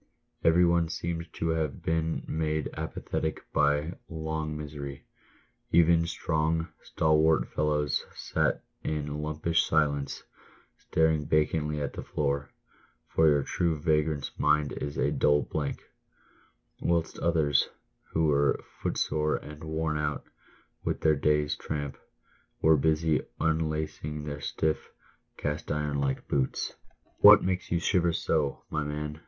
Every one seemed to have been made apathetic by long misery ; even strong, stalwart fellows sat in lumpish silence, staring vacantly at the floor (for your true vagrant's mind is a dull blank) ; whilst others, who were footsore and worn out with their day's tramp, were busy unlacing their stiff, cast iron like boots. " What makes you shiver so, my man